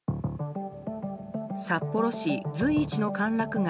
札幌市随一の歓楽街